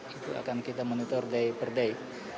itu akan kita monitor day per day